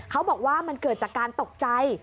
เขาบอกว่ามันเกิดจากการตกใจ